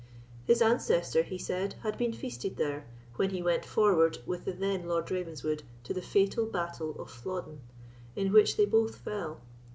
His ancestor, he said, had been feasted there, when he went forward with the then Lord Ravenswood to the fatal battle of Flodden, in which they both fell.